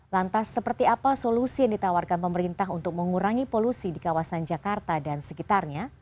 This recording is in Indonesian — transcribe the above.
lantas seperti apa solusi yang ditawarkan pemerintah untuk mengurangi polusi di kawasan jakarta dan sekitarnya